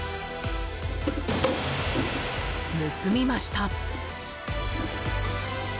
盗みました。